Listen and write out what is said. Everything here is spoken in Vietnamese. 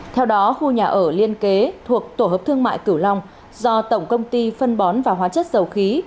theo đó khu nhà ở liên kế thuộc tổ hợp thương mại cửu long do tổng công ty phân bón và hóa chất dầu khí